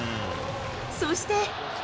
そして。